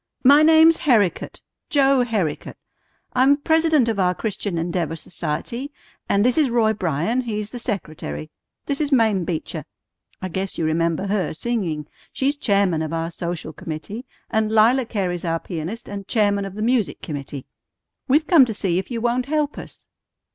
"My name's Herricote, Joe Herricote. I'm president of our Christian Endeavor Society, and this is Roy Bryan; he's the secretary. This is Mame Beecher. I guess you remember her singing. She's chairman of our social committee, and Lila Cary's our pianist and chairman of the music committee. We've come to see if you won't help us."